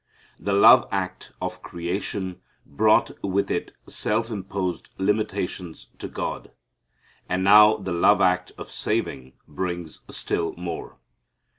The love act of creation brought with it self imposed limitations to God. And now the love act of saving brings still more.